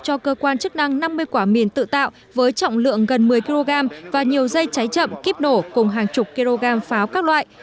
cho cơ quan chức năng năm mươi quả mìn tự tạo với trọng lượng gần một mươi kg và nhiều dây cháy chậm kíp nổ cùng hàng chục kg pháo các loại